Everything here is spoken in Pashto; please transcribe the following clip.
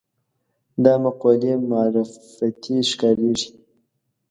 دا مقولې معرفتي ښکارېږي